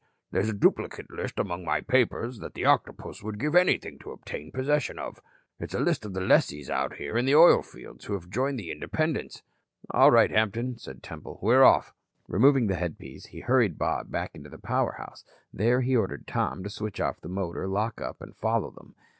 There's a duplicate list among my papers that the Octopus would give anything to obtain possession of. It's a list of the lessees out here in the oil fields who have joined the independents." "All right, Hampton," said Mr. Temple, "we're off." Removing the headpiece, he hurried Bob back into the power house. There he ordered Tom to switch off the motor, lock up and follow them.